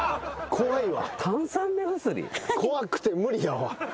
怖くて無理やわ。